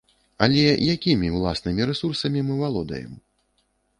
Але якімі ўласнымі рэсурсамі мы валодаем?